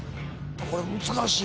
これ難しい。